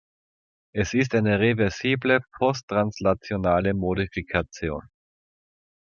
Es ist eine reversible posttranslationale Modifikation.